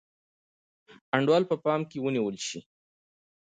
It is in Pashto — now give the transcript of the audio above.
انډول په پام کې ونیول شي.